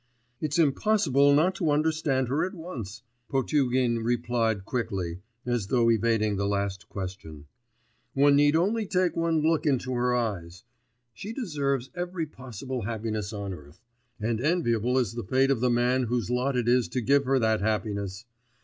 'It's impossible not to understand her at once,' Potugin replied quickly, as though evading the last question. 'One need only take one look into her eyes. She deserves every possible happiness on earth, and enviable is the fate of the man whose lot it is to give her that happiness!